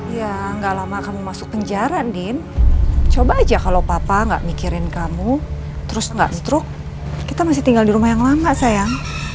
ya nggak lama kamu masuk penjara din coba aja kalau papa nggak mikirin kamu terus nggak stroke kita masih tinggal di rumah yang lama sayang